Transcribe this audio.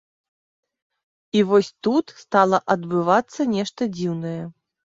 І вось тут стала адбывацца нешта дзіўнае.